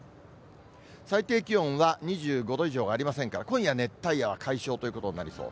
最低気温は２５度以上がありませんから、今夜、熱帯夜は解消ということになりそう。